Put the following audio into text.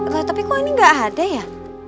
loh tapi kok ini gak ada ya